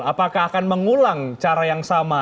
apakah akan mengulang cara yang sama